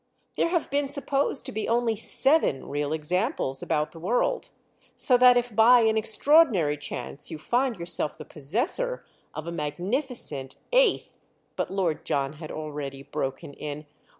"There have been supposed to be only seven real examples about the world; so that if by an extraordinary chance you find yourself the possessor of a magnificent eighth——" But Lord John had already broken in.